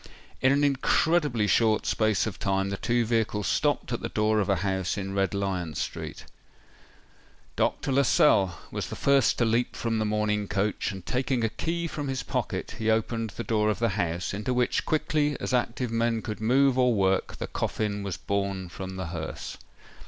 In an incredibly short space of time, the two vehicles stopped at the door of a house in Red Lion Street. Dr. Lascelles was the first to leap from the mourning coach, and, taking a key from his pocket, he opened the door of the house, into which, quickly as active men could move or work, the coffin was borne from the hearse.